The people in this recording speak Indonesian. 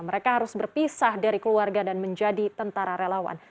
mereka harus berpisah dari keluarga dan menjadi tentara relawan